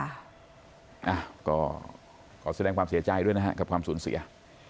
อ่ะก็ขอแสดงความเสียใจด้วยนะฮะกับความสูญเสีย